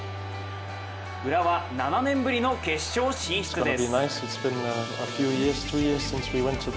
浦和、７年ぶりの決勝進出です。